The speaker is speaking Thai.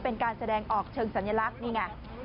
เป็นการแสดงออกเชิงสัญลักษณ์นี่ไง